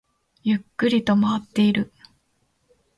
ゆっくりと回っている